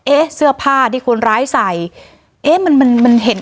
เอ๊ะเสื้อผ้าที่คนร้ายใส่เอ๊ะมันมันเห็น